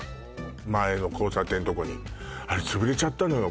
前の交差点とこにあれつぶれちゃったのよ